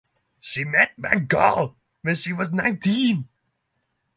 She met Van Gogh when she was nineteen.